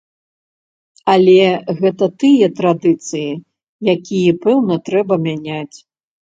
Але гэта тыя традыцыі, якія, пэўна, трэба мяняць.